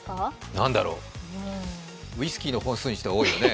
何だろ、ウイスキーの本数にしては多いよね。